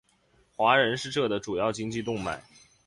华人是这的主要经济动脉。